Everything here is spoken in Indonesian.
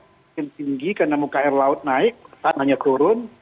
ya rop mungkin tinggi karena muka air laut naik tanahnya turun